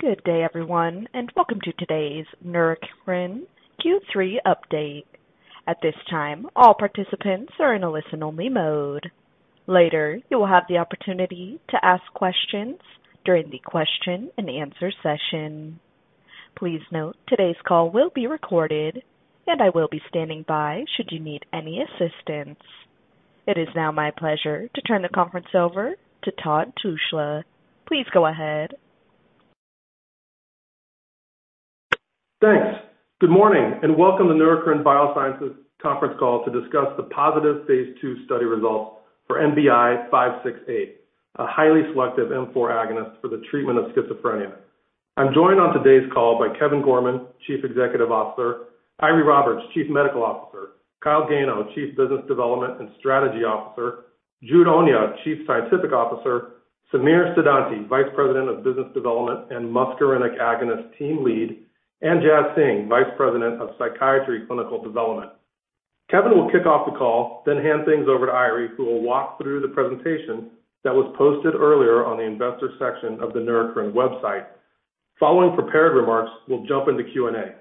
Good day, everyone, and welcome to today's Neurocrine Q3 update. At this time, all participants are in a listen-only mode. Later, you will have the opportunity to ask questions during the question-and-answer session. Please note, today's call will be recorded, and I will be standing by should you need any assistance. It is now my pleasure to turn the conference over to Todd Tushla. Please go ahead. Thanks. Good morning, and welcome to Neurocrine Biosciences conference call to discuss the positive phase II study results for NBI-568, a highly selective M4 agonist for the treatment of schizophrenia. I'm joined on today's call by Kevin Gorman, Chief Executive Officer, Eiry Roberts, Chief Medical Officer, Kyle Gano, Chief Business Development and Strategy Officer, Jude Onyia, Chief Scientific Officer, Samir Siddhanti, Vice President of Business Development and Muscarinic Agonist Team Lead, and Jaz Singh, Vice President of Psychiatry Clinical Development. Kevin will kick off the call, then hand things over to Eiry, who will walk through the presentation that was posted earlier on the investor section of the Neurocrine website. Following prepared remarks, we'll jump into Q&A.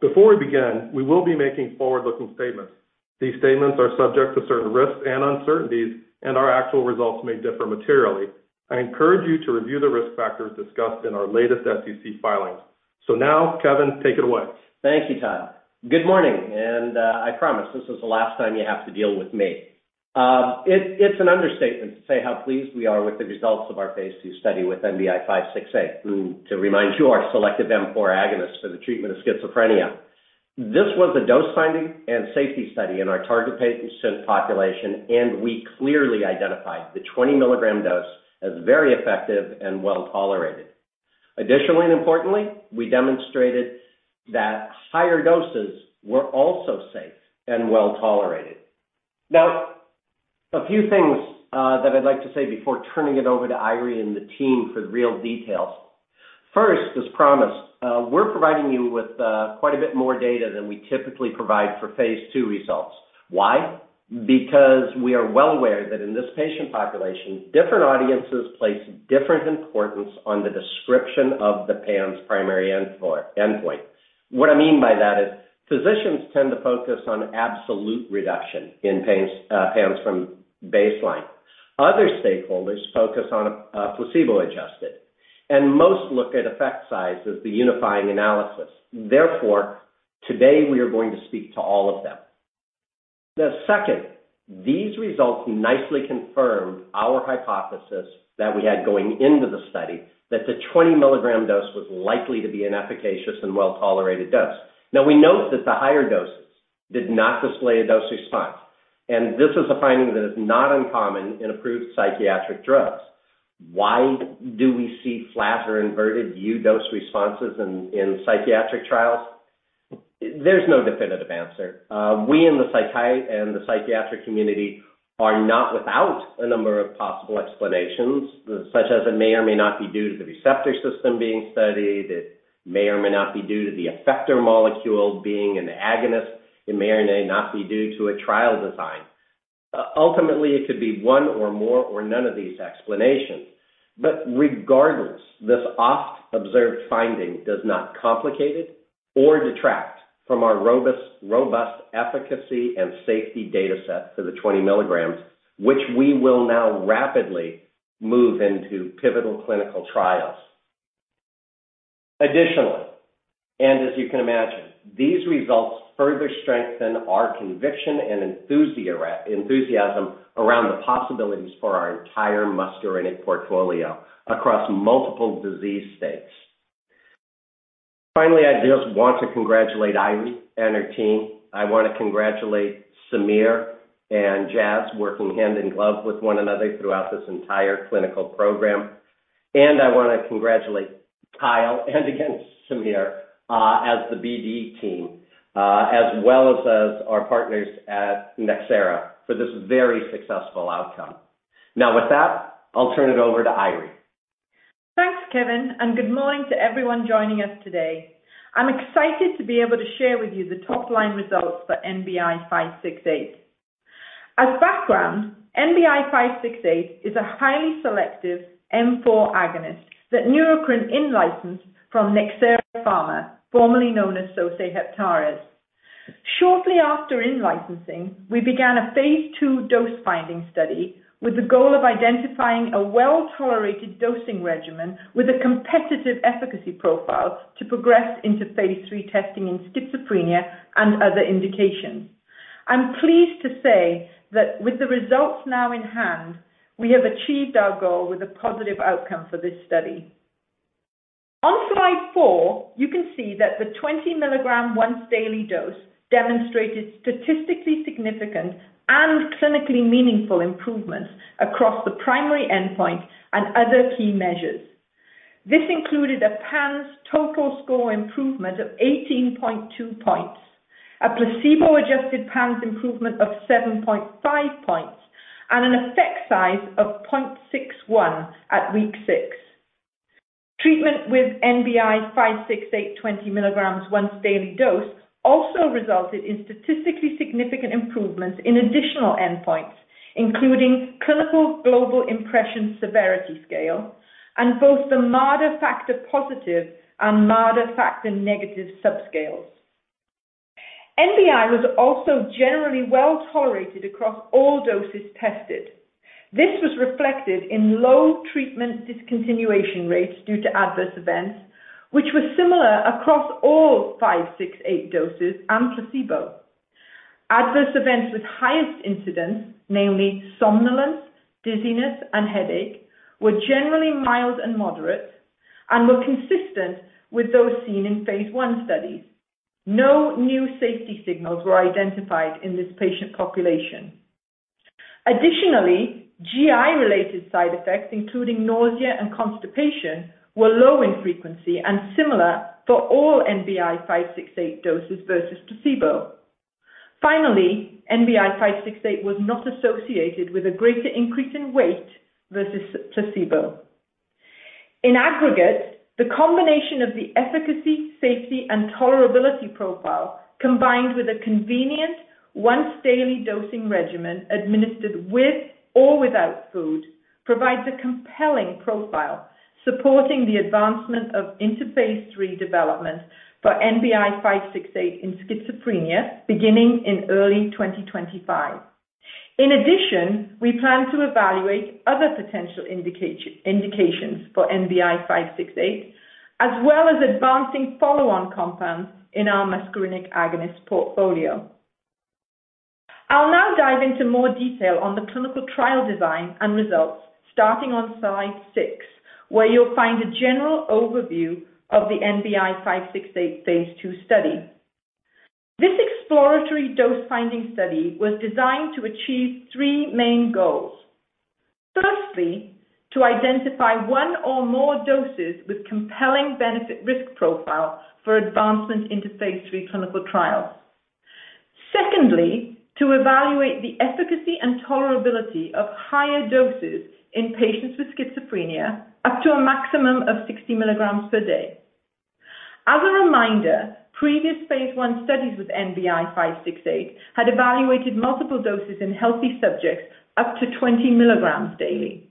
Before we begin, we will be making forward-looking statements. These statements are subject to certain risks and uncertainties, and our actual results may differ materially. I encourage you to review the risk factors discussed in our latest SEC filings. So now, Kevin, take it away. Thank you, Todd. Good morning, and, I promise this is the last time you have to deal with me. It's an understatement to say how pleased we are with the results of our phase II study with NBI-568, to remind you, our selective M4 agonist for the treatment of schizophrenia. This was a dose finding and safety study in our target patient population, and we clearly identified the 20 milligram dose as very effective and well tolerated. Additionally, and importantly, we demonstrated that higher doses were also safe and well tolerated. Now, a few things that I'd like to say before turning it over to Eiry and the team for the real details. First, as promised, we're providing you with quite a bit more data than we typically provide for phase II results. Why? Because we are well aware that in this patient population, different audiences place different importance on the description of the PANSS primary endpoint. What I mean by that is physicians tend to focus on absolute reduction in PANSS from baseline. Other stakeholders focus on placebo-adjusted, and most look at effect size as the unifying analysis. Therefore, today, we are going to speak to all of them. The second, these results nicely confirm our hypothesis that we had going into the study, that the 20 milligram dose was likely to be an efficacious and well-tolerated dose. Now, we note that the higher doses did not display a dose response, and this is a finding that is not uncommon in approved psychiatric drugs. Why do we see flat or inverted U dose responses in psychiatric trials? There's no definitive answer. We in the psychiatric community are not without a number of possible explanations, such as it may or may not be due to the receptor system being studied, it may or may not be due to the effector molecule being an agonist, it may or may not be due to a trial design. Ultimately, it could be one or more or none of these explanations. But regardless, this oft-observed finding does not complicate it or detract from our robust efficacy and safety data set for the 20 milligrams, which we will now rapidly move into pivotal clinical trials. Additionally, and as you can imagine, these results further strengthen our conviction and enthusiasm around the possibilities for our entire muscarinic portfolio across multiple disease states. Finally, I just want to congratulate Eiry and her team. I want to congratulate Samir and Jaz, working hand in glove with one another throughout this entire clinical program, and I want to congratulate Kyle and again, Samir, as the BD team, as well as, as our partners at Nxera, for this very successful outcome. Now, with that, I'll turn it over to Eiry. Thanks, Kevin, and good morning to everyone joining us today. I'm excited to be able to share with you the top-line results for NBI-568. As background, NBI-568 is a highly selective M4 agonist that Neurocrine in-licensed from Nxera Pharma, formerly known as Sosei Heptares. Shortly after in-licensing, we began a phase II dose-finding study with the goal of identifying a well-tolerated dosing regimen with a competitive efficacy profile to progress into phase III testing in schizophrenia and other indications. I'm pleased to say that with the results now in hand, we have achieved our goal with a positive outcome for this study. On slide 4, you can see that the 20 milligram once daily dose demonstrated statistically significant and clinically meaningful improvements across the primary endpoint and other key measures. This included a PANSS total score improvement of 18.2 points, a placebo-adjusted PANSS improvement of 7.5 points, and an effect size of 0.61 at week 6. Treatment with NBI-568 20 milligrams once daily dose also resulted in statistically significant improvements in additional endpoints, including Clinical Global Impression Severity Scale, and both the Marder factor positive and Marder factor negative subscales. NBI was also generally well tolerated across all doses tested. This was reflected in low treatment discontinuation rates due to adverse events, which were similar across all 568 doses and placebo. Adverse events with highest incidence, namely somnolence, dizziness, and headache, were generally mild and moderate and were consistent with those seen in phase I studies. No new safety signals were identified in this patient population. Additionally, GI-related side effects, including nausea and constipation, were low in frequency and similar for all NBI-568 doses versus placebo. Finally, NBI-568 was not associated with a greater increase in weight versus placebo. In aggregate, the combination of the efficacy, safety, and tolerability profile, combined with a convenient once-daily dosing regimen administered with or without food, provides a compelling profile, supporting the advancement of NBI-568 into phase III development for NBI-568 in schizophrenia, beginning in early 2025. In addition, we plan to evaluate other potential indications for NBI-568, as well as advancing follow-on compounds in our muscarinic agonist portfolio. I'll now dive into more detail on the clinical trial design and results, starting on slide 6, where you'll find a general overview of the NBI-568 phase II study. This exploratory dose-finding study was designed to achieve three main goals. Firstly, to identify one or more doses with compelling benefit-risk profile for advancement into phase III clinical trials. Secondly, to evaluate the efficacy and tolerability of higher doses in patients with schizophrenia, up to a maximum of 60 milligrams per day. As a reminder, previous phase I studies with NBI-568 had evaluated multiple doses in healthy subjects up to 20 milligrams daily.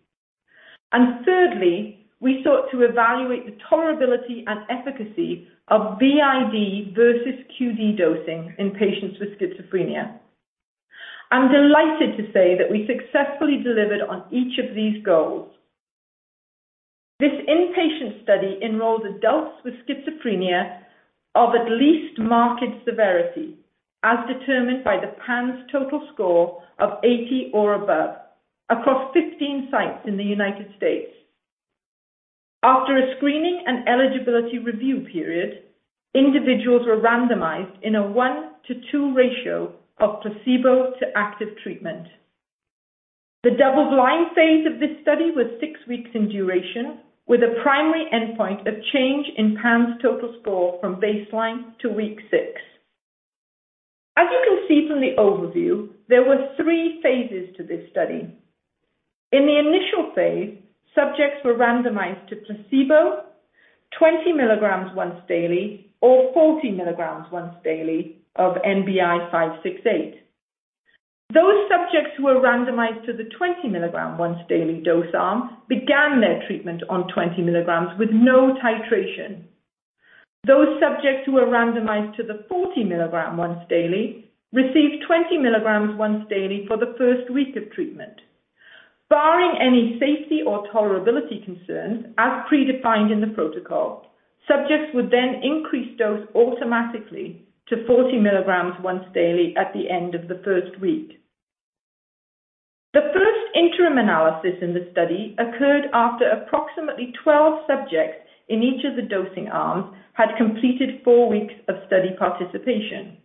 And thirdly, we sought to evaluate the tolerability and efficacy of BID versus QD dosing in patients with schizophrenia. I'm delighted to say that we successfully delivered on each of these goals. This inpatient study enrolled adults with schizophrenia of at least marked severity, as determined by the PANSS total score of 80 or above, across 15 sites in the United States. After a screening and eligibility review period, individuals were randomized in a 1:2 ratio of placebo to active treatment. The double-blind phase of this study was six weeks in duration, with a primary endpoint of change in PANSS total score from baseline to week six. As you can see from the overview, there were three phases to this study. In the initial phase, subjects were randomized to placebo, 20 milligrams once daily, or 40 milligrams once daily of NBI-568. Those subjects who were randomized to the 20 milligram once daily dose arm began their treatment on 20 milligrams with no titration. Those subjects who were randomized to the 40 milligram once daily received 20 milligrams once daily for the first week of treatment. Barring any safety or tolerability concerns, as predefined in the protocol, subjects would then increase dose automatically to 40 milligrams once daily at the end of the first week. The first interim analysis in the study occurred after approximately 12 subjects in each of the dosing arms had completed four weeks of study participation.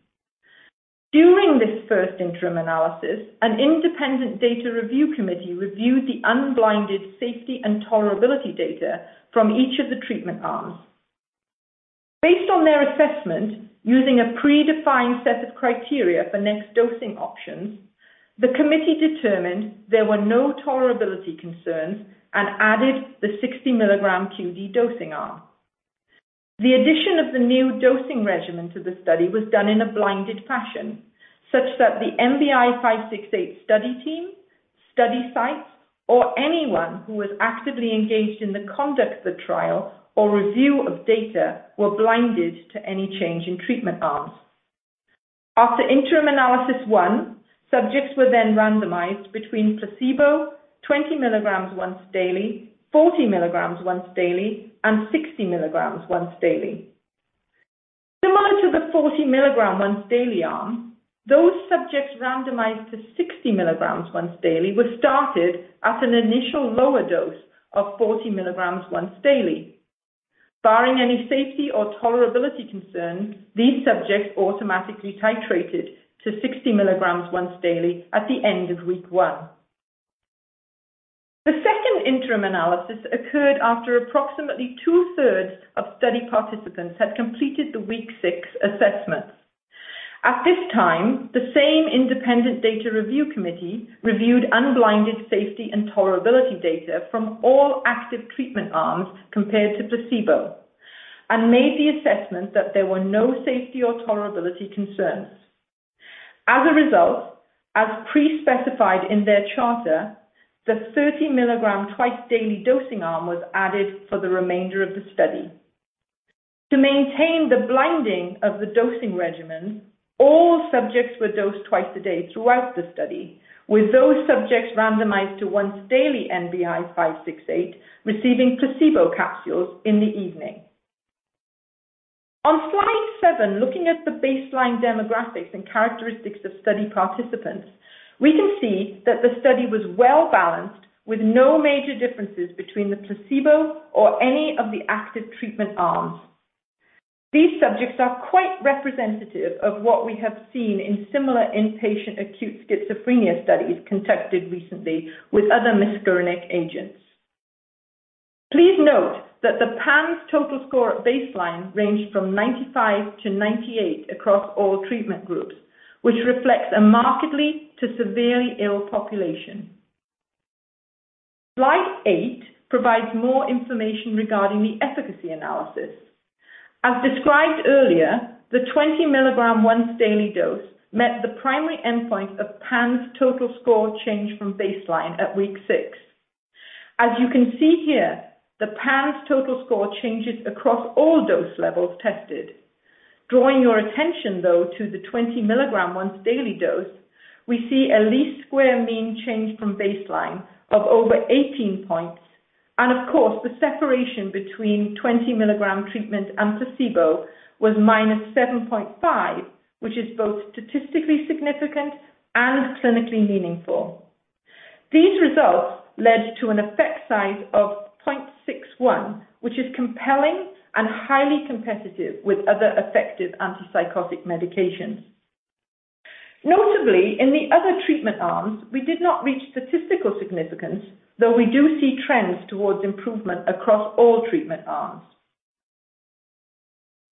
During this first interim analysis, an independent data review committee reviewed the unblinded safety and tolerability data from each of the treatment arms. Based on their assessment, using a predefined set of criteria for next dosing options, the committee determined there were no tolerability concerns and added the 60 mg QD dosing arm. The addition of the new dosing regimen to the study was done in a blinded fashion, such that the NBI-568 study team, study sites, or anyone who was actively engaged in the conduct of the trial or review of data were blinded to any change in treatment arms. After interim analysis one, subjects were then randomized between placebo, 20 mg once daily, 40 mg once daily, and 60 mg once daily. Similar to the 40 milligram once daily arm, those subjects randomized to 60 milligrams once daily were started at an initial lower dose of 40 milligrams once daily. Barring any safety or tolerability concern, these subjects automatically titrated to 60 milligrams once daily at the end of week 1. The second interim analysis occurred after approximately 2/3 of study participants had completed the week six assessments. At this time, the same independent data review committee reviewed unblinded safety and tolerability data from all active treatment arms compared to placebo, and made the assessment that there were no safety or tolerability concerns. As a result, as pre-specified in their charter, the 30 milligram twice daily dosing arm was added for the remainder of the study. To maintain the blinding of the dosing regimen, all subjects were dosed twice a day throughout the study, with those subjects randomized to once daily NBI-568, receiving placebo capsules in the evening. On slide 7, looking at the baseline demographics and characteristics of study participants, we can see that the study was well-balanced, with no major differences between the placebo or any of the active treatment arms. These subjects are quite representative of what we have seen in similar inpatient acute schizophrenia studies conducted recently with other muscarinic agents. Please note that the PANSS total score at baseline ranged from 95 to 98 across all treatment groups, which reflects a markedly to severely ill population. Slide 8 provides more information regarding the efficacy analysis. As described earlier, the 20 milligram once daily dose met the primary endpoint of PANSS total score change from baseline at week six. As you can see here, the PANSS total score changes across all dose levels tested. Drawing your attention though to the 20 milligram once daily dose, we see a least squares mean change from baseline of over 18 points, and of course, the separation between 20 milligram treatment and placebo was -7.5, which is both statistically significant and clinically meaningful. These results led to an effect size of 0.61, which is compelling and highly competitive with other effective antipsychotic medications. Notably, in the other treatment arms, we did not reach statistical significance, though we do see trends towards improvement across all treatment arms.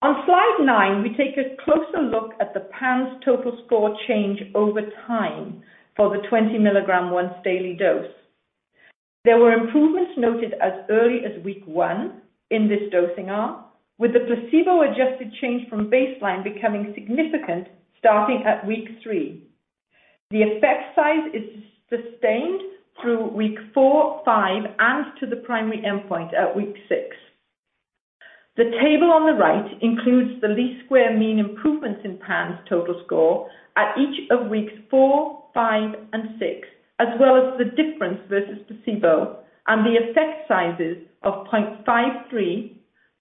On slide 9, we take a closer look at the PANSS total score change over time for the 20 milligram once daily dose. There were improvements noted as early as week one in this dosing arm, with the placebo-adjusted change from baseline becoming significant starting at week three. The effect size is sustained through week four, five, and to the primary endpoint at week six. The table on the right includes the least squares mean improvements in PANSS total score at each of weeks four, five, and six, as well as the difference versus placebo and the effect sizes of 0.53,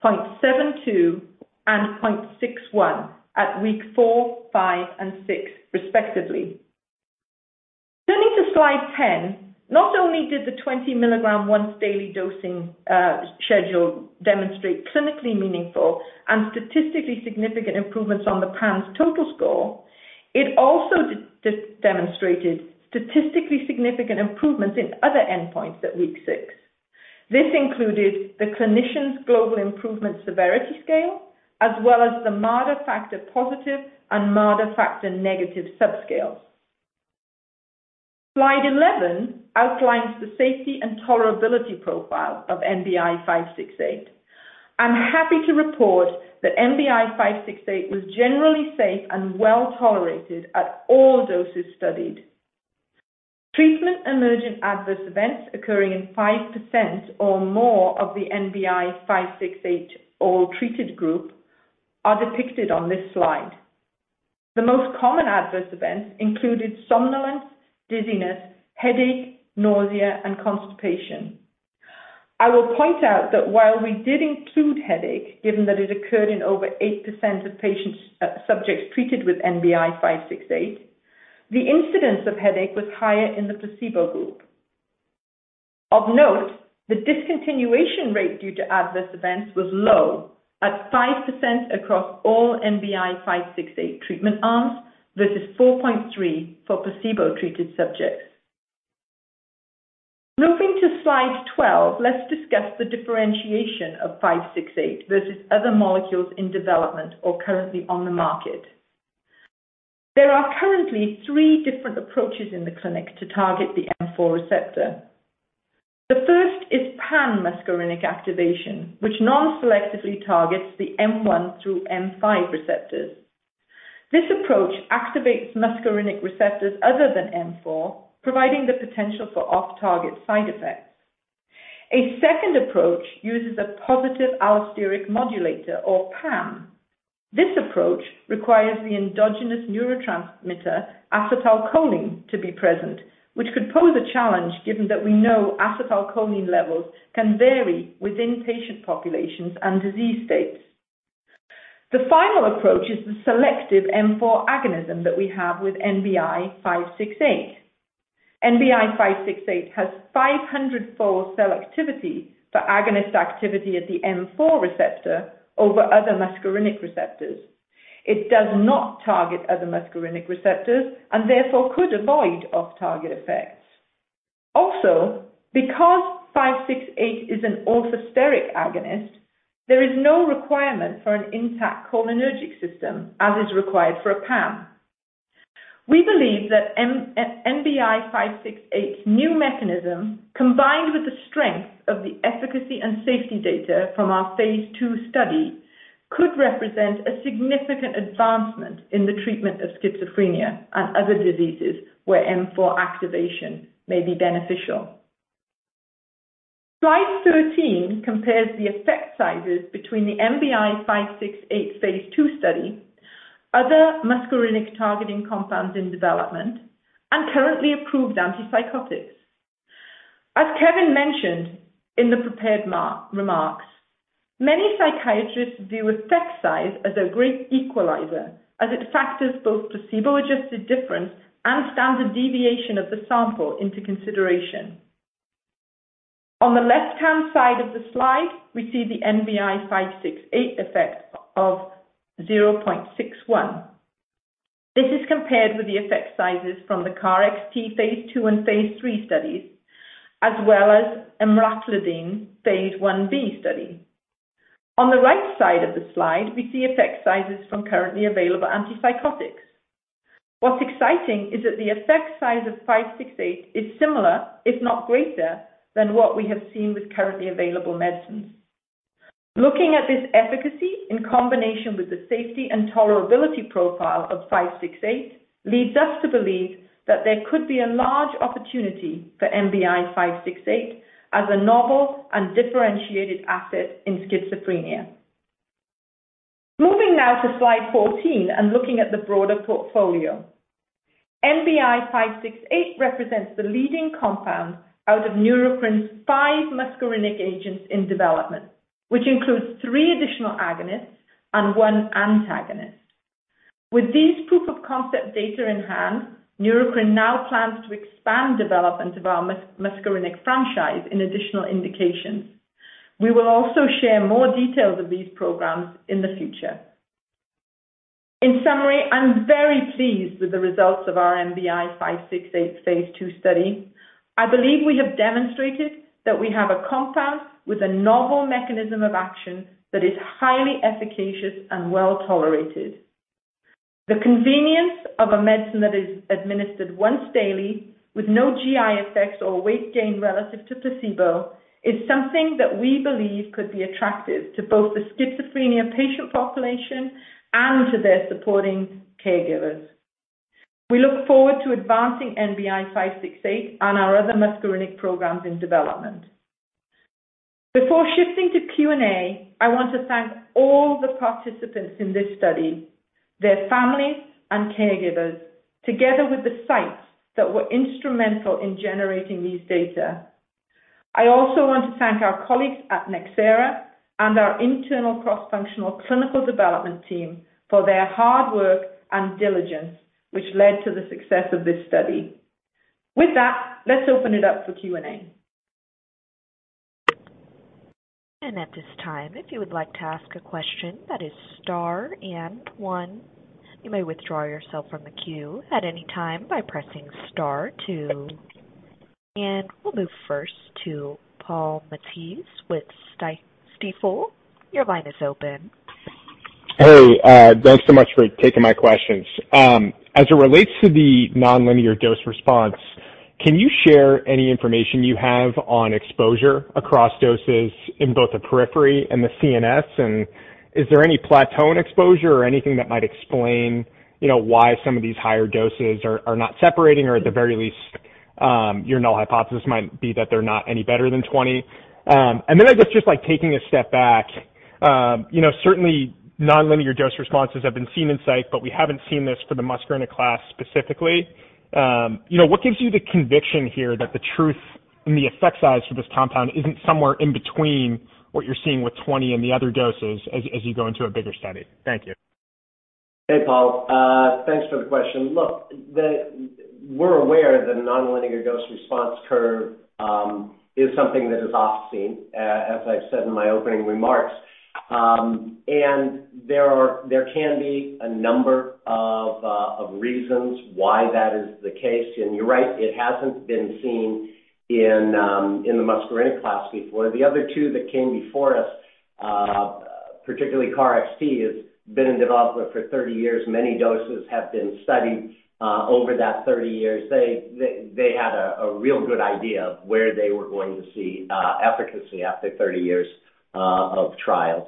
0.72, and 0.61 at week four, five, and six, respectively. Turning to slide 10, not only did the 20 milligram once daily dosing schedule demonstrate clinically meaningful and statistically significant improvements on the PANSS total score, it also demonstrated statistically significant improvements in other endpoints at week six. This included the Clinical Global Impression-Severity Scale, as well as the Marder factor positive and Marder factor negative subscales. Slide 11 outlines the safety and tolerability profile of NBI-568. I'm happy to report that NBI-568 was generally safe and well-tolerated at all doses studied. Treatment-emergent adverse events occurring in 5% or more of the NBI-568 all-treated group are depicted on this slide. The most common adverse events included somnolence, dizziness, headache, nausea, and constipation. I will point out that while we did include headache, given that it occurred in over 8% of patients, subjects treated with NBI-568, the incidence of headache was higher in the placebo group. Of note, the discontinuation rate due to adverse events was low, at 5% across all NBI-568 treatment arms, versus 4.3% for placebo-treated subjects. Moving to slide 12, let's discuss the differentiation of 568 versus other molecules in development or currently on the market. There are currently three different approaches in the clinic to target the M4 receptor. The first is pan-muscarinic activation, which non-selectively targets the M1 through M5 receptors. This approach activates muscarinic receptors other than M4, providing the potential for off-target side effects. A second approach uses a Positive Allosteric Modulator or PAM. This approach requires the endogenous neurotransmitter acetylcholine to be present, which could pose a challenge given that we know acetylcholine levels can vary within patient populations and disease states. The final approach is the selective M4 agonism that we have with NBI-568. NBI-568 has 500-fold selectivity for agonist activity at the M4 receptor over other muscarinic receptors. It does not target other muscarinic receptors and therefore could avoid off-target effects. Also, because NBI-568 is an orthosteric agonist, there is no requirement for an intact cholinergic system, as is required for a PAM. We believe that NBI-568's new mechanism, combined with the strength of the efficacy and safety data from our phase II study, could represent a significant advancement in the treatment of schizophrenia and other diseases where M4 activation may be beneficial. Slide 13 compares the effect sizes between the NBI-568 phase II study, other muscarinic targeting compounds in development, and currently approved antipsychotics. As Kevin mentioned in the prepared remarks, many psychiatrists view effect size as a great equalizer, as it factors both placebo-adjusted difference and standard deviation of the sample into consideration. On the left-hand side of the slide, we see the NBI-568 effect of 0.61. This is compared with the effect sizes from the KarXT phase II and phase III studies, as well as emraclidine phase 1b study. On the right side of the slide, we see effect sizes from currently available antipsychotics. What's exciting is that the effect size of NBI-568 is similar, if not greater, than what we have seen with currently available medicines. Looking at this efficacy in combination with the safety and tolerability profile of NBI-568, leads us to believe that there could be a large opportunity for NBI-568 as a novel and differentiated asset in schizophrenia. Moving now to slide 14 and looking at the broader portfolio. NBI-568 represents the leading compound out of Neurocrine's five muscarinic agents in development, which includes three additional agonists and one antagonist. With these proof-of-concept data in hand, Neurocrine now plans to expand development of our muscarinic franchise in additional indications. We will also share more details of these programs in the future. In summary, I'm very pleased with the results of our NBI-568 phase II study. I believe we have demonstrated that we have a compound with a novel mechanism of action that is highly efficacious and well tolerated. The convenience of a medicine that is administered once daily with no GI effects or weight gain relative to placebo is something that we believe could be attractive to both the schizophrenia patient population and to their supporting caregivers. We look forward to advancing NBI-568 and our other muscarinic programs in development. Before shifting to Q&A, I want to thank all the participants in this study, their families and caregivers, together with the sites that were instrumental in generating these data. I also want to thank our colleagues at Nxera and our internal cross-functional clinical development team for their hard work and diligence, which led to the success of this study. With that, let's open it up for Q&A. And at this time, if you would like to ask a question, that is star and one. You may withdraw yourself from the queue at any time by pressing star two. And we'll move first to Paul Matteis with Stifel. Your line is open. Hey, thanks so much for taking my questions. As it relates to the nonlinear dose response, can you share any information you have on exposure across doses in both the periphery and the CNS? And is there any plateau in exposure or anything that might explain, you know, why some of these higher doses are not separating, or at the very least, your null hypothesis might be that they're not any better than 20? And then I guess just like taking a step back, you know, certainly nonlinear dose responses have been seen in psych, but we haven't seen this for the muscarinic class specifically. You know, what gives you the conviction here that the truth and the effect size for this compound isn't somewhere in between what you're seeing with 20 and the other doses as you go into a bigger study? Thank you. Hey, Paul. Thanks for the question. Look, we're aware that a nonlinear dose response curve is something that is often seen, as I've said in my opening remarks. And there can be a number of reasons why that is the case. And you're right, it hasn't been seen in the muscarinic class before. The other two that came before us, particularly KarXT, has been in development for 30 years. Many doses have been studied over that 30 years. They had a real good idea of where they were going to see efficacy after 30 years of trials.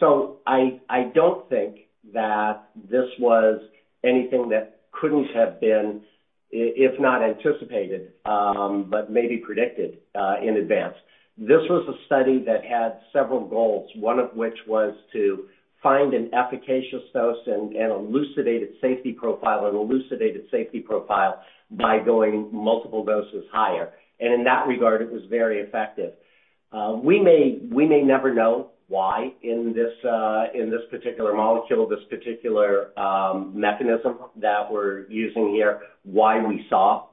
So I don't think that this was anything that couldn't have been, if not anticipated, but maybe predicted in advance. This was a study that had several goals, one of which was to find an efficacious dose and an elucidated safety profile by going multiple doses higher. And in that regard, it was very effective. We may never know why in this particular molecule, this particular mechanism that we're using here, why we saw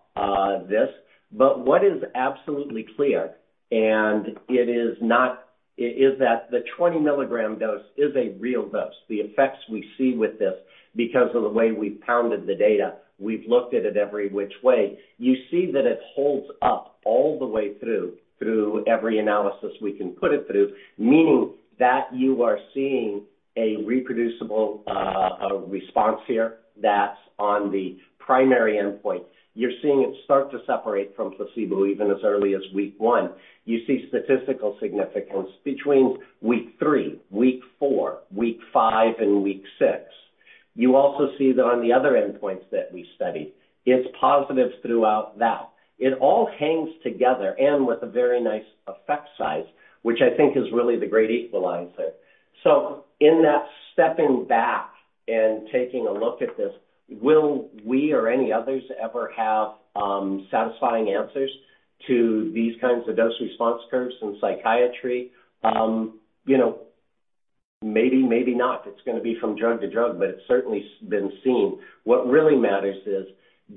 this. But what is absolutely clear, and it is not--is that the 20-milligram dose is a real dose. The effects we see with this, because of the way we've pounded the data, we've looked at it every which way. You see that it holds up all the way through, through every analysis we can put it through, meaning that you are seeing a reproducible a response here that's on the primary endpoint. You're seeing it start to separate from placebo even as early as week one. You see statistical significance between week three, week four, week five, and week six. You also see that on the other endpoints that we studied, it's positive throughout that. It all hangs together and with a very nice effect size, which I think is really the great equalizer. So in that stepping back and taking a look at this, will we or any others ever have satisfying answers to these kinds of dose response curves in psychiatry? You know, maybe, maybe not. It's gonna be from drug to drug, but it's certainly been seen. What really matters is,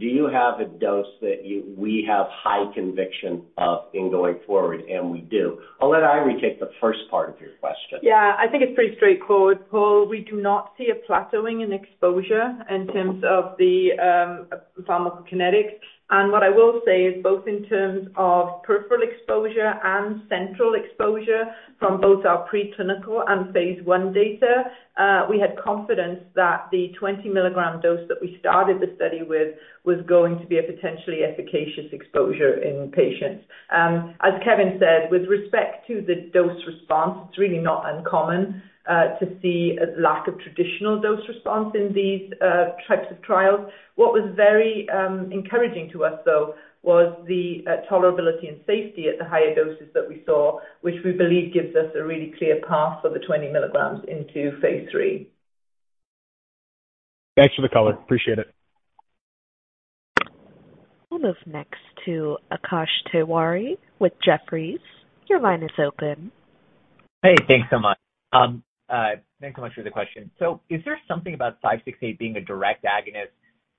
do you have a dose that we have high conviction of in going forward, and we do. I'll let Eiry take the first part of your question. Yeah, I think it's pretty straightforward, Paul. We do not see a plateauing in exposure in terms of the pharmacokinetics. And what I will say is, both in terms of peripheral exposure and central exposure from both our preclinical and phase I data, we had confidence that the 20 milligram dose that we started the study with was going to be a potentially efficacious exposure in patients. As Kevin said, with respect to the dose response, it's really not uncommon to see a lack of traditional dose response in these types of trials. What was very encouraging to us, though, was the tolerability and safety at the higher doses that we saw, which we believe gives us a really clear path for the 20 milligrams into phase III. Thanks for the color. Appreciate it. We'll move next to Akash Tewari with Jefferies. Your line is open. Hey, thanks so much. Thanks so much for the question. So is there something about 568 being a direct agonist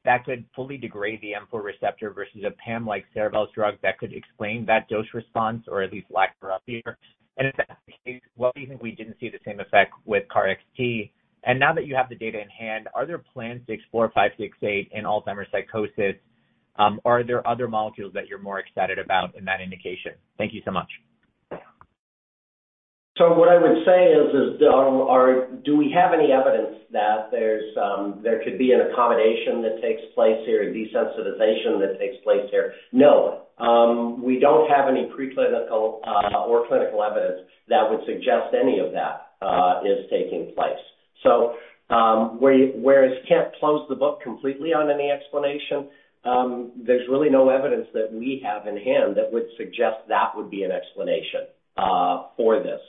that could fully degrade the M4 receptor versus a PAM-like Cerevel's drug that could explain that dose response, or at least lack thereof here? And in that case, why do you think we didn't see the same effect with KarXT? And now that you have the data in hand, are there plans to explore 568 in Alzheimer's psychosis, or are there other molecules that you're more excited about in that indication? Thank you so much. So what I would say is, do we have any evidence that there could be an accommodation that takes place here, a desensitization that takes place here? No. We don't have any preclinical or clinical evidence that would suggest any of that is taking place. So, whereas we can't close the book completely on any explanation, there's really no evidence that we have in hand that would suggest that would be an explanation for this.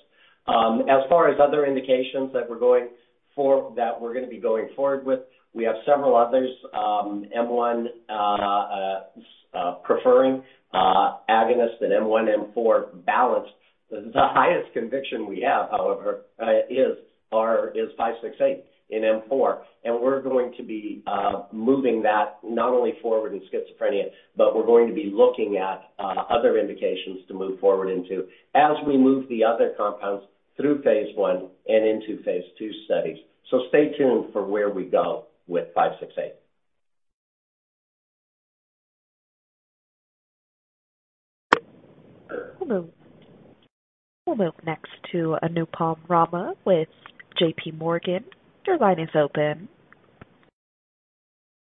As far as other indications that we're going for, that we're gonna be going forward with, we have several others, M1-preferring agonist and M1, M4 balanced. The highest conviction we have, however, is NBI-568 in M4, and we're going to be moving that not only forward in schizophrenia, but we're going to be looking at other indications to move forward into as we move the other compounds through phase I and into phase II studies. So stay tuned for where we go with 568. We'll move next to Anupam Rama with J.P. Morgan. Your line is open.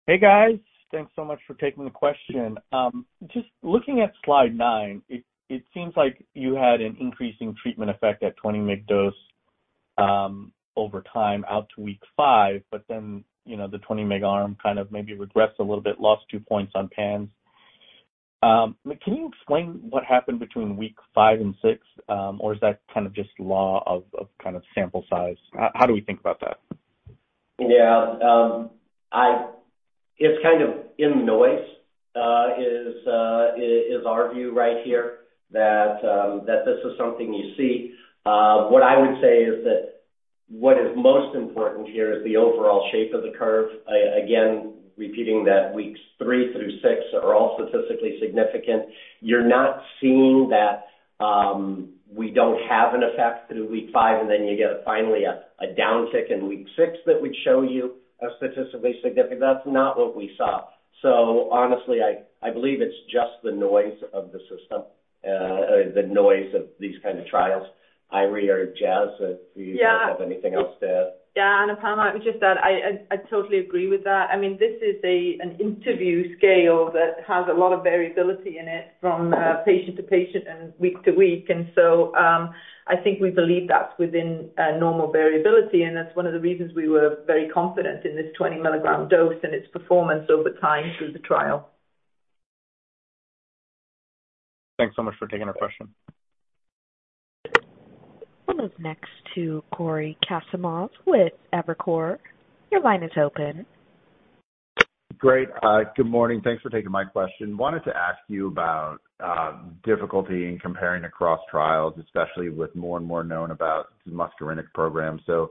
Hey, guys. Thanks so much for taking the question. Just looking at slide 9, it seems like you had an increasing treatment effect at 20 mg dose over time out to week five, but then, you know, the 20 mg arm kind of maybe regressed a little bit, lost 2 points on PANSS. Can you explain what happened between week five and six, or is that kind of just law of sample size? How do we think about that? Yeah. It's kind of in noise, our view right here that that this is something you see. What I would say is that what is most important here is the overall shape of the curve. Again, repeating that weeks three through six are all statistically significant. You're not seeing that, we don't have an effect through week five, and then you get finally a downtick in week six that would show you a statistically significant. That's not what we saw. So honestly, I believe it's just the noise of the system, the noise of these kind of trials. Eiry or Jaz, if you guys have anything else to add? Yeah, Anupam, just that I totally agree with that. I mean, this is an interview scale that has a lot of variability in it from patient to patient and week to week. And so, I think we believe that's within a normal variability, and that's one of the reasons we were very confident in this 20 milligram dose and its performance over time through the trial. Thanks so much for taking our question. We'll move next to Cory Kasimov with Evercore ISI. Your line is open. Great. Good morning. Thanks for taking my question. Wanted to ask you about difficulty in comparing across trials, especially with more and more known about the muscarinic program. You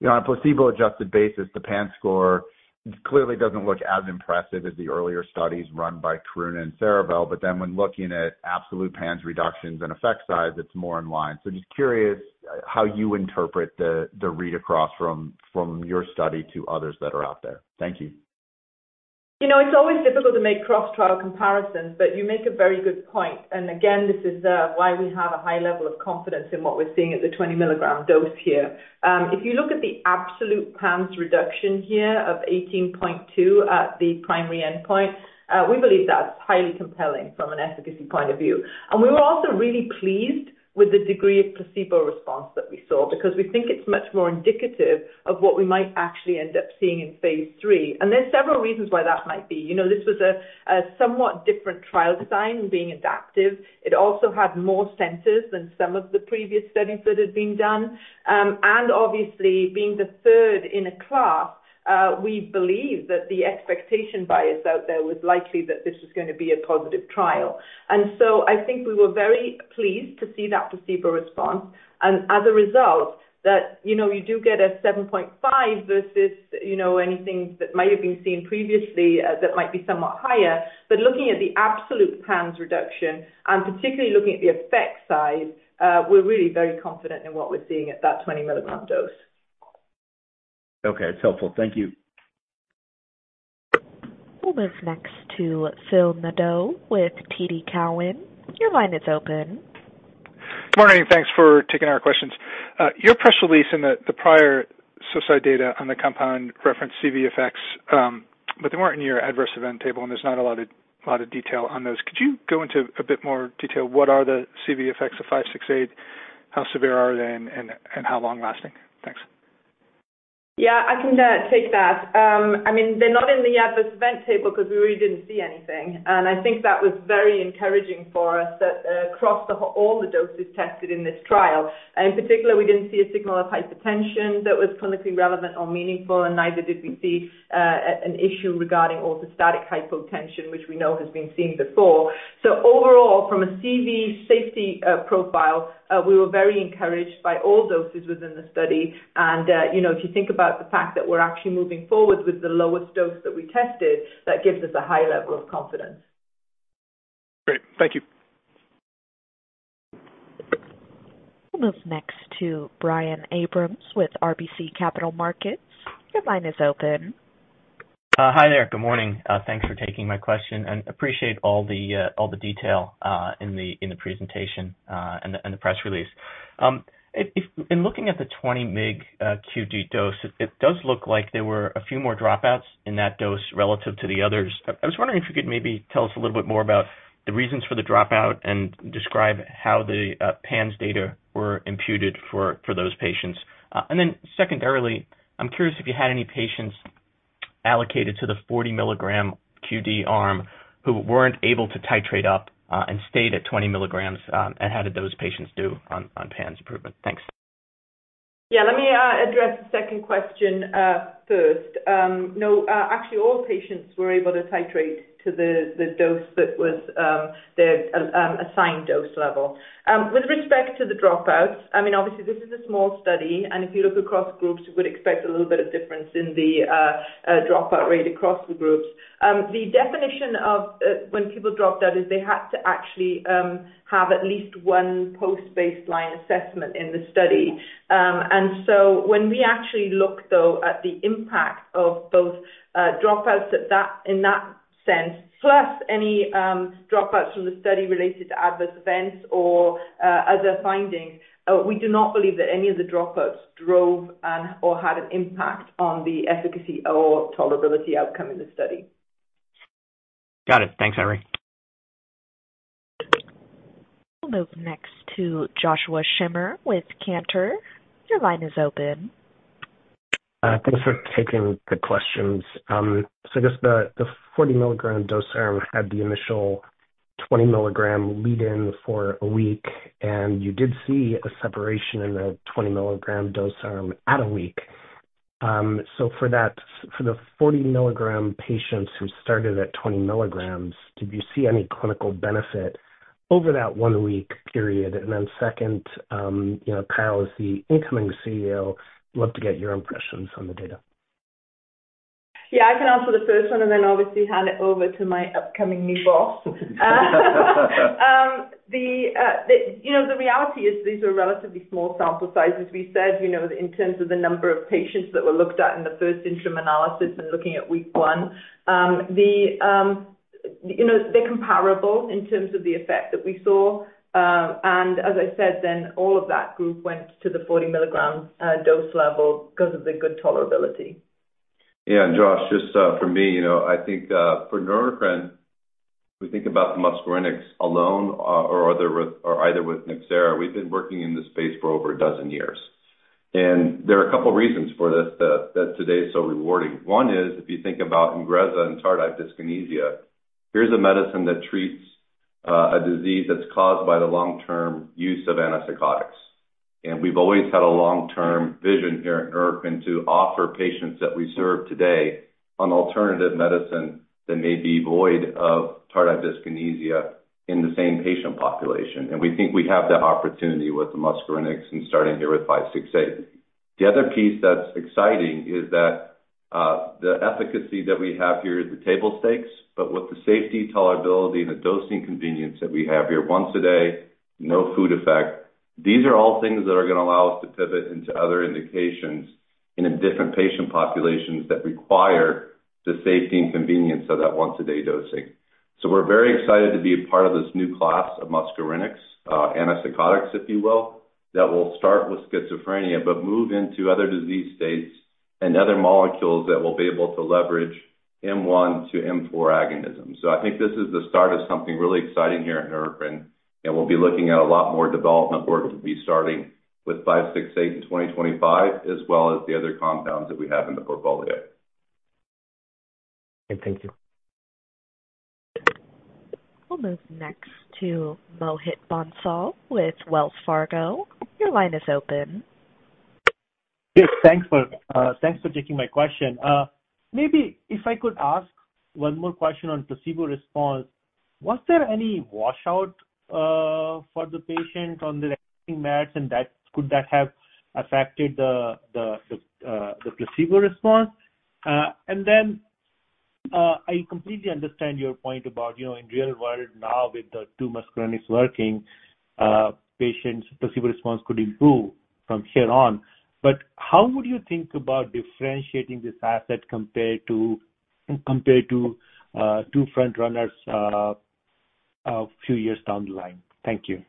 know, on a placebo-adjusted basis, the PANSS score clearly doesn't look as impressive as the earlier studies run by Karuna and Cerevel. But then when looking at absolute PANSS reductions and effect size, it's more in line. So just curious how you interpret the read across from your study to others that are out there. Thank you. You know, it's always difficult to make cross-trial comparisons, but you make a very good point. And again, this is why we have a high level of confidence in what we're seeing at the 20 milligram dose here. If you look at the absolute PANSS reduction here of 18.2 at the primary endpoint, we believe that's highly compelling from an efficacy point of view. And we were also really pleased with the degree of placebo response that we saw, because we think it's much more indicative of what we might actually end up seeing in phase III. And there are several reasons why that might be. You know, this was a somewhat different trial design, being adaptive. It also had more centers than some of the previous studies that had been done. Obviously, being the third in a class, we believe that the expectation bias out there was likely that this was going to be a positive trial. I think we were very pleased to see that placebo response. As a result, that, you know, you do get a 7.5 versus, you know, anything that might have been seen previously, that might be somewhat higher. Looking at the absolute PANSS reduction, and particularly looking at the effect size, we're really very confident in what we're seeing at that 20 milligram dose. Okay, it's helpful. Thank you. We'll move next to Phil Nadeau with TD Cowen. Your line is open. Good morning, thanks for taking our questions. Your press release in the prior safety data on the compound referenced CV effects, but they weren't in your adverse event table, and there's not a lot of detail on those. Could you go into a bit more detail? What are the CV effects of NBI-568? How severe are they and how long lasting? Thanks. Yeah, I can take that. I mean, they're not in the adverse event table because we really didn't see anything. And I think that was very encouraging for us that across all the doses tested in this trial, in particular, we didn't see a signal of hypertension that was clinically relevant or meaningful, and neither did we see an issue regarding orthostatic hypotension, which we know has been seen before. So overall, from a CV safety profile, we were very encouraged by all doses within the study. And you know, if you think about the fact that we're actually moving forward with the lowest dose that we tested, that gives us a high level of confidence. Great. Thank you. We'll move next to Brian Abrams with RBC Capital Markets. Your line is open. Hi there. Good morning. Thanks for taking my question, and appreciate all the detail in the presentation and the press release. If in looking at the 20 mg QD dose, it does look like there were a few more dropouts in that dose relative to the others. I was wondering if you could maybe tell us a little bit more about the reasons for the dropout and describe how the PANSS data were imputed for those patients. And then secondarily, I'm curious if you had any patients allocated to the 40 milligram QD arm who weren't able to titrate up and stayed at 20 milligrams, and how did those patients do on PANSS improvement? Thanks. Yeah, let me address the second question first. No, actually, all patients were able to titrate to the dose that was the assigned dose level. With respect to the dropouts, I mean, obviously this is a small study, and if you look across groups, you would expect a little bit of difference in the dropout rate across the groups. The definition of when people dropped out is they had to actually have at least one post-baseline assessment in the study. And so when we actually look, though, at the impact of both dropouts in that sense, plus any dropouts from the study related to adverse events or other findings, we do not believe that any of the dropouts drove an or had an impact on the efficacy or tolerability outcome in the study. Got it. Thanks, Eiry. We'll move next to Joshua Schimmer with Cantor. Your line is open. Thanks for taking the questions. So I guess the 40 milligram dose arm had the initial 20 milligram lead in for a week, and you did see a separation in the 20 milligram dose arm at a week. So for that, for the 40 milligram patients who started at 20 milligrams, did you see any clinical benefit over that one week period? And then second, you know, Kyle is the incoming CEO, love to get your impressions on the data. Yeah, I can answer the first one and then obviously hand it over to my upcoming new boss. The reality is these are relatively small sample sizes. We said, you know, in terms of the number of patients that were looked at in the first interim analysis and looking at week one, you know, they're comparable in terms of the effect that we saw. And as I said, then all of that group went to the 40 milligram dose level because of the good tolerability. Yeah, and Josh, just, for me, you know, I think, for Neurocrine, we think about the muscarinic alone, or either with Nxera. We've been working in this space for over a dozen years, and there are a couple of reasons for this, that today is so rewarding. One is, if you think about Ingrezza and tardive dyskinesia, here's a medicine that treats, a disease that's caused by the long-term use of antipsychotics. And we've always had a long-term vision here at Neurocrine to offer patients that we serve today on alternative medicine that may be void of tardive dyskinesia in the same patient population. And we think we have that opportunity with the muscarinic and starting here with 568. The other piece that's exciting is that. The efficacy that we have here is the table stakes, but with the safety, tolerability, and the dosing convenience that we have here, once a day, no food effect. These are all things that are going to allow us to pivot into other indications in a different patient populations that require the safety and convenience of that once-a-day dosing. So we're very excited to be a part of this new class of muscarinic agonists, if you will, that will start with schizophrenia, but move into other disease states and other molecules that will be able to leverage M1 to M4 agonism. So I think this is the start of something really exciting here at Neurocrine, and we'll be looking at a lot more development work to be starting with 568 in 2025, as well as the other compounds that we have in the portfolio. Okay, thank you. We'll move next to Mohit Bansal with Wells Fargo. Your line is open. Yes, thanks for taking my question. Maybe if I could ask one more question on placebo response. Was there any washout for the patient on the meds, and that could that have affected the placebo response? And then, I completely understand your point about, you know, in real world now, with the two muscarinic working, patients' placebo response could improve from here on. But how would you think about differentiating this asset compared to two front runners a few years down the line? Thank you.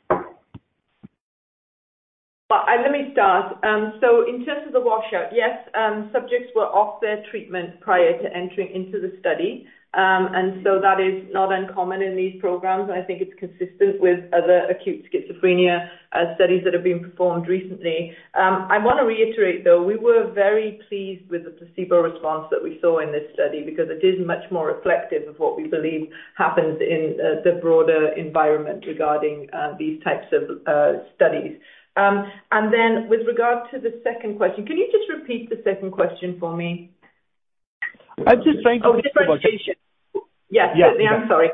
Let me start, so in terms of the washout, yes, subjects were off their treatment prior to entering into the study, and so that is not uncommon in these programs. I think it's consistent with other acute schizophrenia studies that have been performed recently. I want to reiterate, though, we were very pleased with the placebo response that we saw in this study, because it is much more reflective of what we believe happens in the broader environment regarding these types of studies, and then with regard to the second question, can you just repeat the second question for me? I'm just trying to- Oh, differentiation. Yes, certainly. Yeah. I'm sorry.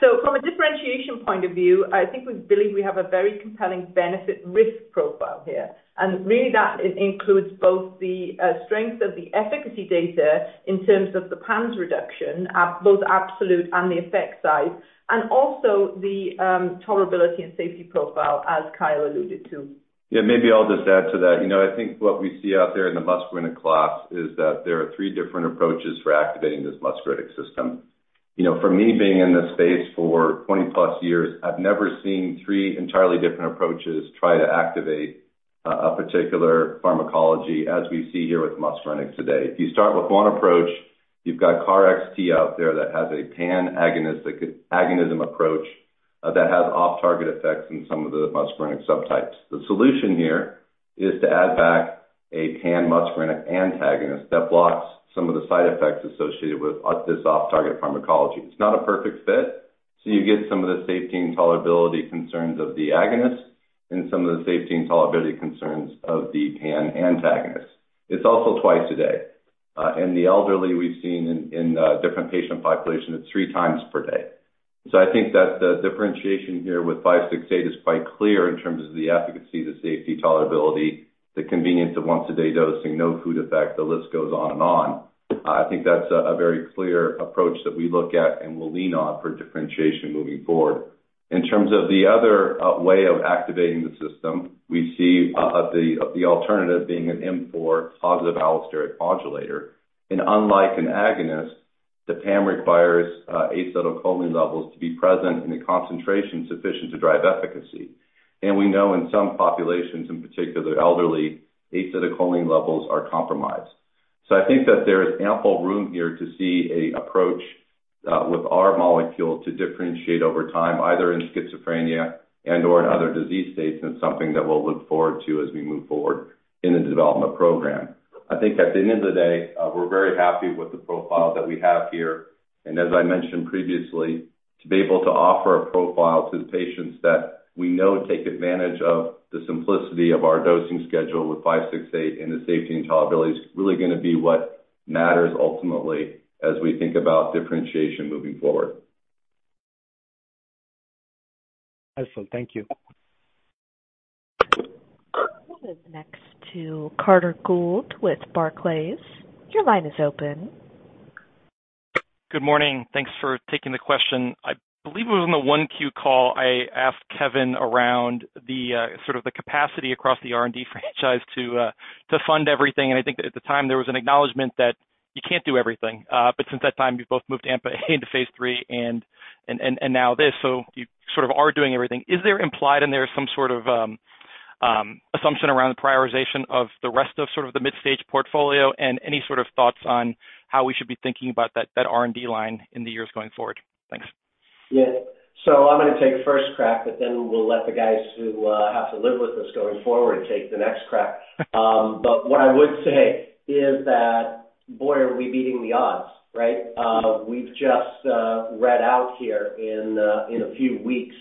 So from a differentiation point of view, I think we believe we have a very compelling benefit risk profile here. And really, that includes both the strength of the efficacy data in terms of the PANSS reduction, both absolute and the effect size, and also the tolerability and safety profile, as Kyle alluded to. Yeah, maybe I'll just add to that. You know, I think what we see out there in the muscarinic class is that there are three different approaches for activating this muscarinic system. You know, for me, being in this space for +24 years, I've never seen three entirely different approaches try to activate a particular pharmacology as we see here with muscarinic today. If you start with one approach, you've got KarXT out there that has a pan agonism approach that has off-target effects in some of the muscarinic subtypes. The solution here is to add back a pan-muscarinic antagonist that blocks some of the side effects associated with this off-target pharmacology. It's not a perfect fit, so you get some of the safety and tolerability concerns of the agonist and some of the safety and tolerability concerns of the pan antagonist. It's also twice a day. In the elderly, we've seen in different patient populations, it's 3x per day. So I think that the differentiation here with 568 is quite clear in terms of the efficacy, the safety, tolerability, the convenience of once-a-day dosing, no food effect, the list goes on and on. I think that's a very clear approach that we look at and will lean on for differentiation moving forward. In terms of the other way of activating the system, we see the alternative being an M4 positive allosteric modulator, and unlike an agonist, the PAM requires acetylcholine levels to be present in a concentration sufficient to drive efficacy. We know in some populations, in particular, the elderly, acetylcholine levels are compromised. I think that there is ample room here to see an approach with our molecule to differentiate over time, either in schizophrenia and/or in other disease states, and it's something that we'll look forward to as we move forward in the development program. I think at the end of the day, we're very happy with the profile that we have here, and as I mentioned previously, to be able to offer a profile to the patients that we know take advantage of the simplicity of our dosing schedule with 568 and the safety and tolerability is really going to be what matters ultimately as we think about differentiation moving forward. Awesome. Thank you. We'll move next to Carter Gould with Barclays. Your line is open. Good morning. Thanks for taking the question. I believe it was on the 1Q call. I asked Kevin around the sort of the capacity across the R&D franchise to fund everything. And I think at the time, there was an acknowledgment that you can't do everything. But since that time, you've both moved AMPA into phase III and now this, so you sort of are doing everything. Is there implied in there some sort of assumption around the prioritization of the rest of sort of the mid-stage portfolio? And any sort of thoughts on how we should be thinking about that R&D line in the years going forward? Thanks. Yeah. So I'm going to take first crack, but then we'll let the guys who have to live with this going forward take the next crack. But what I would say is that, boy, are we beating the odds, right? We've just read out here in a few weeks,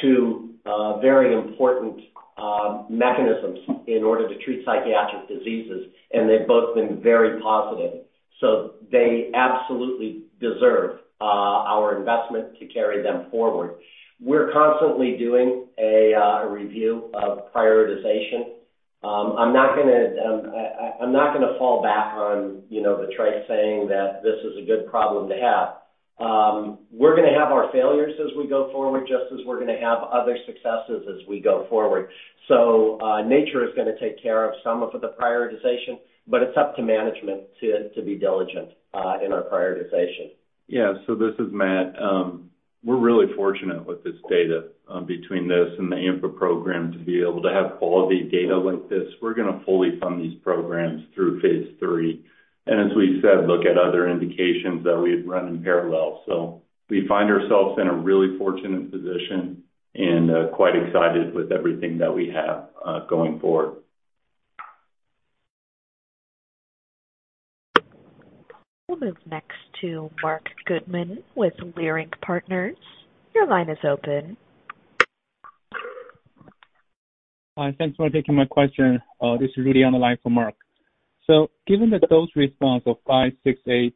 two very important mechanisms in order to treat psychiatric diseases, and they've both been very positive. So they absolutely deserve our investment to carry them forward. We're constantly doing a review of prioritization. I'm not gonna fall back on, you know, the trite saying that this is a good problem to have. We're gonna have our failures as we go forward, just as we're gonna have other successes as we go forward. So nature is gonna take care of some of the prioritization, but it's up to management to be diligent in our prioritization. Yeah, so this is Matt. We're really fortunate with this data, between this and the AMPA program, to be able to have quality data like this. We're gonna fully fund these programs through phase III, and as we said, look at other indications that we'd run in parallel, so we find ourselves in a really fortunate position and, quite excited with everything that we have, going forward. We'll move next to Marc Goodman with Leerink Partners. Your line is open. Thanks for taking my question. This is Rudy on the line for Marc. So given the dose response of 568,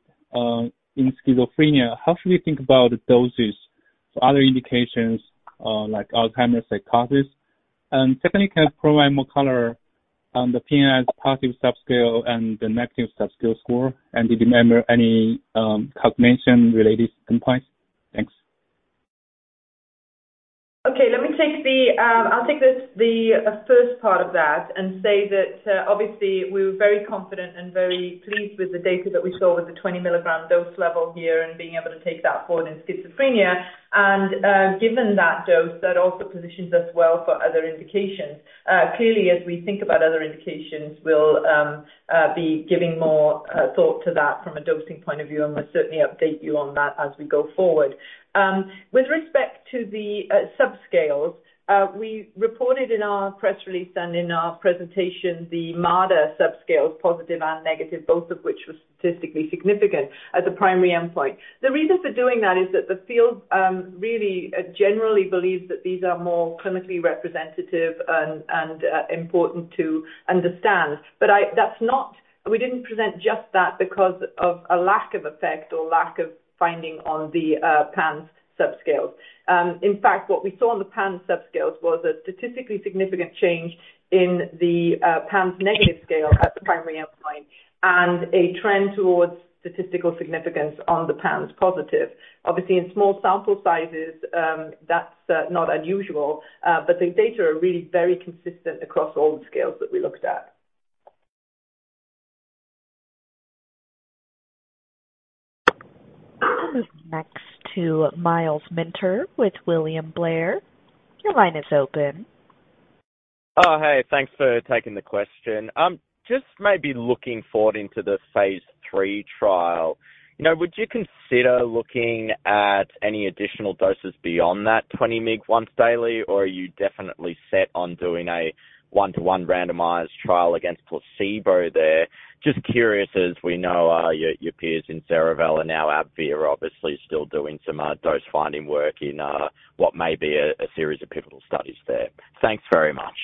in schizophrenia, how should we think about the doses for other indications, like Alzheimer's psychosis? And secondly, can you provide more color on the PANSS positive subscale and the negative subscale score, and did you remember any, cognition-related endpoints? Thanks. Okay, let me take the first part of that and say that obviously, we're very confident and very pleased with the data that we saw with the 20 milligram dose level here and being able to take that forward in schizophrenia. Given that dose, that also positions us well for other indications. Clearly, as we think about other indications, we'll be giving more thought to that from a dosing point of view, and we'll certainly update you on that as we go forward. With respect to the subscales, we reported in our press release and in our presentation, the Marder subscales, positive and negative, both of which were statistically significant as a primary endpoint. The reason for doing that is that the field really generally believes that these are more clinically representative and important to understand. That's not we didn't present just that because of a lack of effect or lack of finding on the PANSS subscales. In fact, what we saw on the PANSS subscales was a statistically significant change in the PANSS negative scale as the primary endpoint, and a trend towards statistical significance on the PANSS positive. Obviously, in small sample sizes, that's not unusual, but the data are really very consistent across all the scales that we looked at. Next to Myles Minter with William Blair. Your line is open. Oh, hey, thanks for taking the question. Just maybe looking forward into the phase III trial, you know, would you consider looking at any additional doses beyond that 20 mg once daily, or are you definitely set on doing a 1:1 randomized trial against placebo there? Just curious, as we know, your, your peers in Cerevel and now AbbVie are obviously still doing some dose-finding work in what may be a series of pivotal studies there. Thanks very much.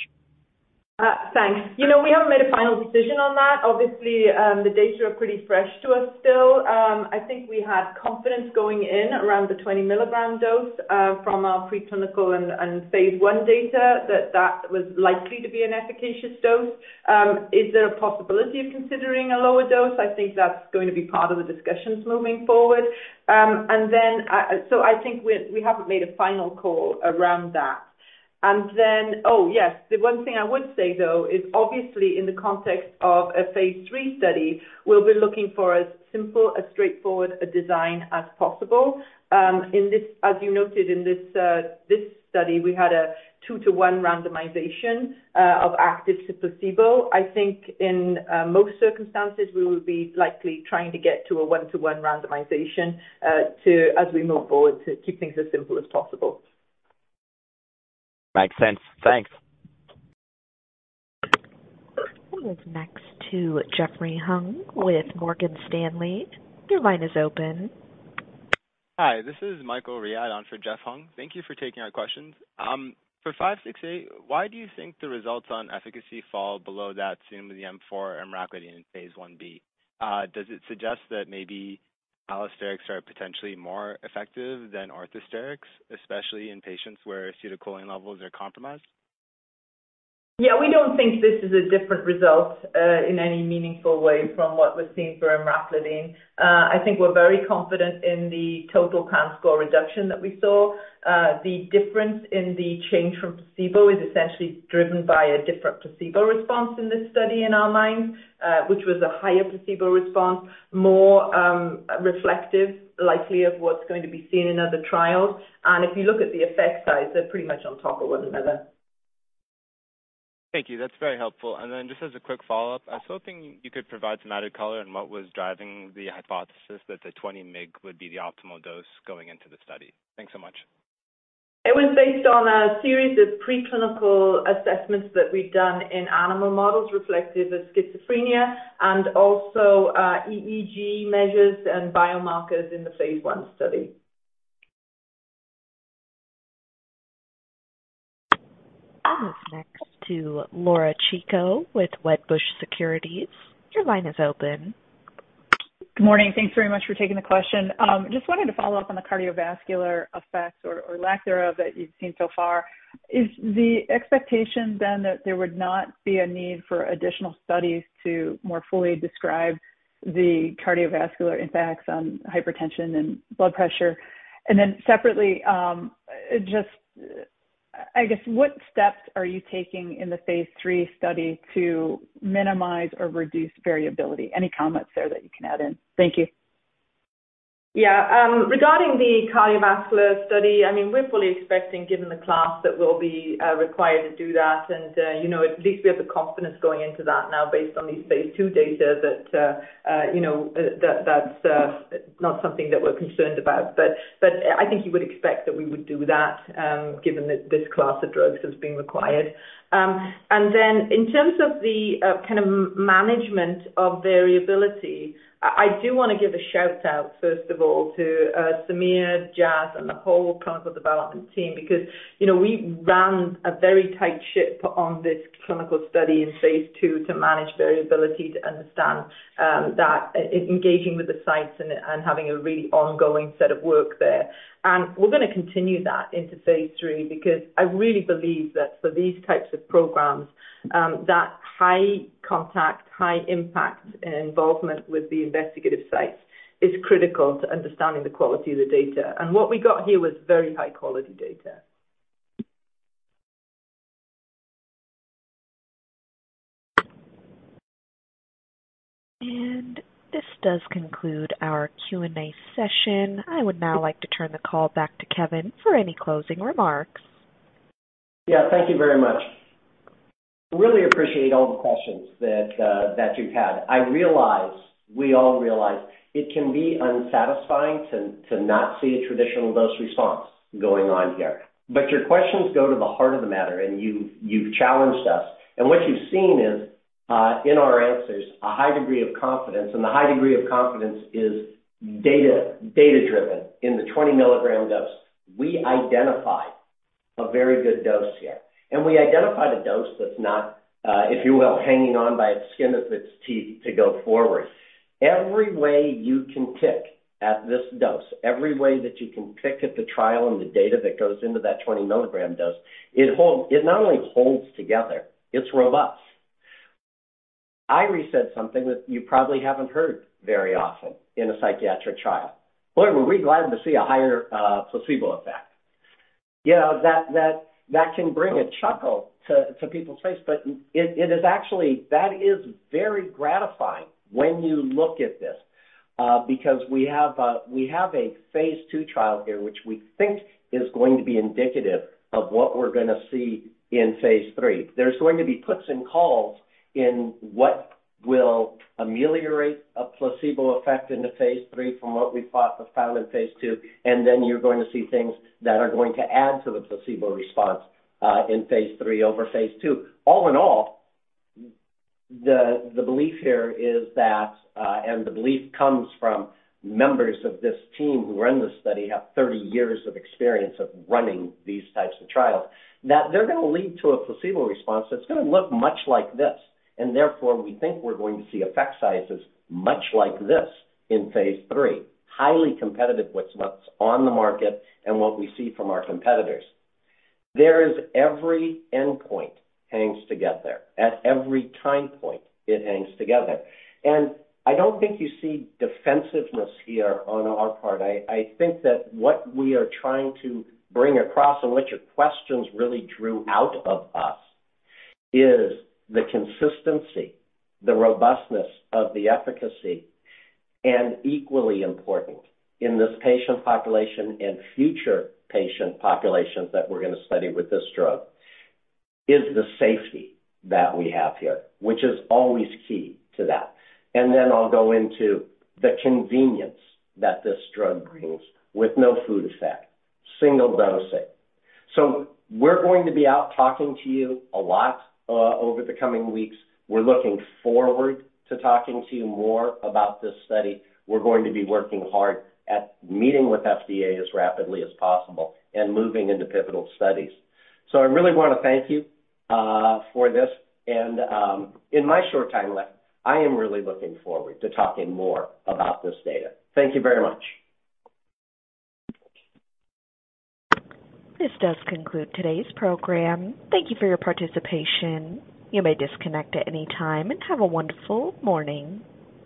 Thanks. You know, we haven't made a final decision on that. Obviously, the data are pretty fresh to us still. I think we had confidence going in around the 20-milligram dose, from our preclinical and phase I data, that that was likely to be an efficacious dose. Is there a possibility of considering a lower dose? I think that's going to be part of the discussions moving forward. And then, so I think we haven't made a final call around that. And then, oh, yes, the one thing I would say, though, is obviously in the context of a phase III study, we'll be looking for as simple, as straightforward a design as possible. In this, as you noted in this study, we had a 2:1 randomization of active to placebo. I think in most circumstances, we will be likely trying to get to a 1:1 randomization, as we move forward, to keep things as simple as possible. Makes sense. Thanks. We move next to Jeffrey Hung with Morgan Stanley. Your line is open. Hi, this is Michael Riad on for Jeff Hung. Thank you for taking our questions. For 568, why do you think the results on efficacy fall below that seen with the M4 emraclidine in phase 1b? Does it suggest that maybe allosterics are potentially more effective than orthosterics, especially in patients where acetylcholine levels are compromised? Yeah, we don't think this is a different result in any meaningful way from what was seen for emraclidine. I think we're very confident in the total PANSS score reduction that we saw. The difference in the change from placebo is essentially driven by a different placebo response in this study, in our minds, which was a higher placebo response, more reflective, likely of what's going to be seen in other trials. And if you look at the effect size, they're pretty much on top of one another. Thank you. That's very helpful. And then just as a quick follow-up, I was hoping you could provide some added color on what was driving the hypothesis that the 20 mg would be the optimal dose going into the study? Thanks so much. It was based on a series of preclinical assessments that we've done in animal models reflective of schizophrenia and also, EEG measures and biomarkers in the phase I study. Next to Laura Chico with Wedbush Securities. Your line is open. Good morning. Thanks very much for taking the question. Just wanted to follow up on the cardiovascular effects or lack thereof that you've seen so far. Is the expectation then that there would not be a need for additional studies to more fully describe the cardiovascular impacts on hypertension and blood pressure? And then separately, just, I guess, what steps are you taking in the phase III study to minimize or reduce variability? Any comments there that you can add in? Thank you. Yeah. Regarding the cardiovascular study, I mean, we're fully expecting, given the class, that we'll be required to do that. And, you know, at least we have the confidence going into that now based on these phase II data that, you know, that, that's not something that we're concerned about. But, I think you would expect that we would do that, given that this class of drugs has been required. And then in terms of the kind of management of variability, I do wanna give a shout-out, first of all, to Samir, Jaz, and the whole clinical development team, because, you know, we ran a very tight ship on this clinical study in phase II to manage variability, to understand that engaging with the sites and having a really ongoing set of work there. And we're gonna continue that into phase III, because I really believe that for these types of programs, that high contact, high impact and involvement with the investigator sites is critical to understanding the quality of the data. And what we got here was very high quality data. This does conclude our Q&A session. I would now like to turn the call back to Kevin for any closing remarks. Yeah, thank you very much. Really appreciate all the questions that you've had. I realize, we all realize it can be unsatisfying to not see a traditional dose response going on here. But your questions go to the heart of the matter, and you've challenged us. And what you've seen is, in our answers, a high degree of confidence, and the high degree of confidence is data, data-driven in the 20 milligram dose. We identified a very good dose here, and we identified a dose that's not, if you will, hanging on by its skin of its teeth to go forward. Every way you can pick at this dose, every way that you can pick at the trial and the data that goes into that 20 milligram dose, it not only holds together, it's robust. Eiry said something that you probably haven't heard very often in a psychiatric trial. "Boy, were we glad to see a higher placebo effect." You know, that can bring a chuckle to people's face, but it is actually. That is very gratifying when you look at this, because we have a phase II trial here, which we think is going to be indicative of what we're gonna see in phase III. There's going to be puts and takes in what will ameliorate a placebo effect into phase III from what we thought was found in phase II, and then you're going to see things that are going to add to the placebo response in phase III over phase II. All in all, the belief here is that, and the belief comes from members of this team who run the study, have 30 years of experience of running these types of trials, that they're gonna lead to a placebo response that's gonna look much like this, and therefore, we think we're going to see effect sizes much like this in phase III. Highly competitive with what's on the market and what we see from our competitors. There is every endpoint hangs together. At every time point, it hangs together. And I don't think you see defensiveness here on our part. I think that what we are trying to bring across, and what your questions really drew out of us, is the consistency, the robustness of the efficacy, and equally important, in this patient population and future patient populations that we're gonna study with this drug, is the safety that we have here, which is always key to that. And then I'll go into the convenience that this drug brings with no food effect, single dosing. So we're going to be out talking to you a lot over the coming weeks. We're looking forward to talking to you more about this study. We're going to be working hard at meeting with FDA as rapidly as possible and moving into pivotal studies. So I really wanna thank you for this. And, in my short time left, I am really looking forward to talking more about this data. Thank you very much. This does conclude today's program. Thank you for your participation. You may disconnect at any time, and have a wonderful morning.